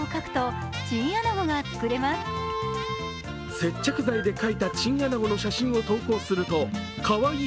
接着剤で描いたチンアナゴの写真を投稿すると、カワイイ！